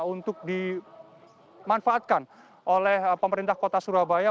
untuk dimanfaatkan oleh pemerintah kota surabaya